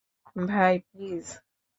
ভাই, প্লিজ।